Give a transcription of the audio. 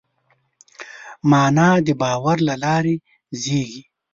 معنی د باور له لارې زېږي.